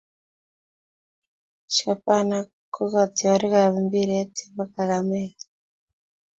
shabana kokatiorik ab mpiret che bo kakamega